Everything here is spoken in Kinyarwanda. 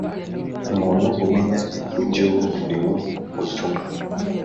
Umuntu umenya iby’ uwo murimo ngutumye